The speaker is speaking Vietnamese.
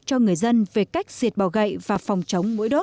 cho người dân về cách diệt bỏ gậy và phòng chống mỗi đồng